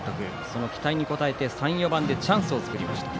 その期待に応えて３、４番でチャンスを作りました。